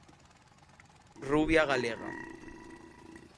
Rubia galega.